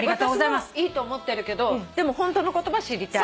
私もいいと思ってるけどでもホントの言葉知りたい。